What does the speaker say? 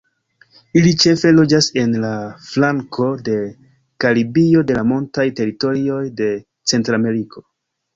Ili ĉefe loĝas en la flanko de Karibio de la montaj teritorioj de Centrameriko.